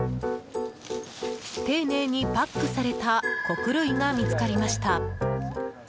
丁寧にパックされた穀類が見つかりました。